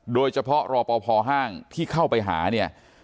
โดยเฉพาะรอปภห้างที่เข้าไปหาเนี่ย